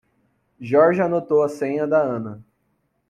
Jorge anotou a senha da Ana.